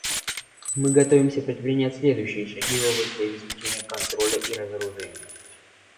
Мы готовимся предпринять следующие шаги в области обеспечения контроля и разоружения.